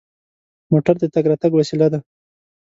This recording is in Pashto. موټر د تګ راتګ وسیله ده.